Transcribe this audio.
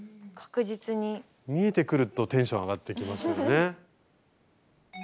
見えてくるとテンション上がってきますよね。